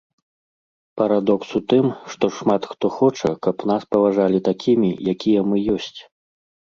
Парадокс у тым, што шмат хто хоча, каб нас паважалі такімі, якія мы ёсць.